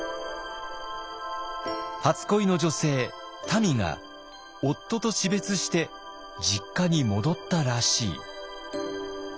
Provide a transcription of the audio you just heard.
初恋の女性たみが夫と死別して実家に戻ったらしい。